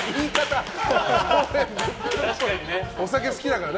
お酒好きだからね。